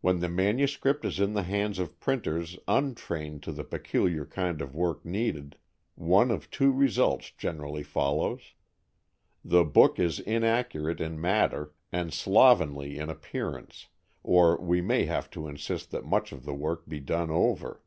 When the manuscript is in the hands of printers untrained to the peculiar kind of work needed, one of two results generally follows. The book is inaccurate in matter and slovenly in appearance, or we may have to insist that much of the work be done over.